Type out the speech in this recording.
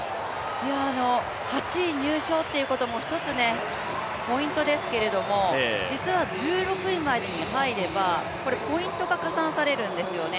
８位入賞ということも一つポイントですけれども、実は１６位までに入れば、ポイントが加算されるんですよね。